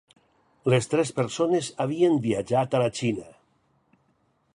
Les tres persones havien viatjat a la Xina.